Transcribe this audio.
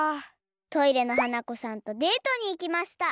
トイレの花子さんとデートにいきました。